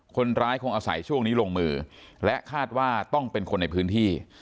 คนร้ายคงอาศัยช่วงนี้ลงมือและคาดว่าต้องเป็นคนในพื้นที่